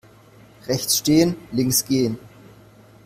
Rechts stehen, links gehen.